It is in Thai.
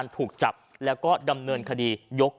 ตอนนี้